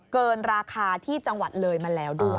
เกินราคาที่จังหวัดเลยมาแล้วด้วย